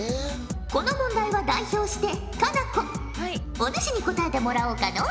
お主に答えてもらおうかのう。